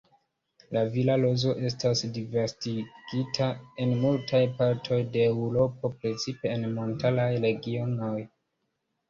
La vila rozo estas disvastigita en multaj partoj de Eŭropo precipe en montaraj regionoj.